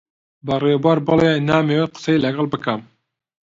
بە ڕێبوار بڵێ نامەوێت قسەی لەگەڵ بکەم.